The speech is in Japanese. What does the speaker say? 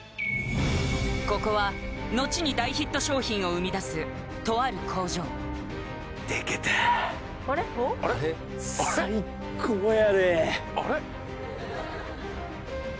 ここはのちに大ヒット商品を生み出すとある工場が完成そや！